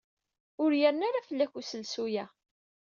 Ur yerni ara fell-ak uselsu-a.